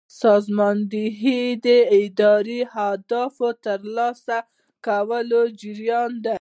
سازماندهي د اداري اهدافو د ترلاسه کولو جریان دی.